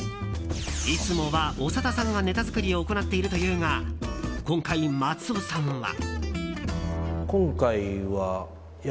いつもは長田さんがネタ作りを行っているというが今回、松尾さんは。